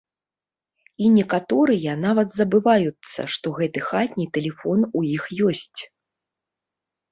І некаторыя нават забываюцца, што гэты хатні тэлефон у іх ёсць.